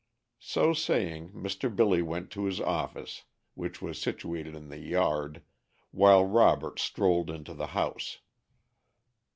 So saying Mr. Billy went to his office, which was situated in the yard, while Robert strolled into the house.